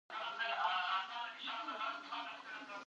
مور د ماشومانو د رواني ستونزو په اړه مرسته کوي.